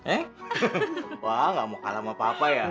eh wah gak mau kalah sama papa ya